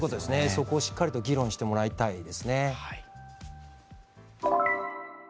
そこをしっかりと議論してもらいたいですね。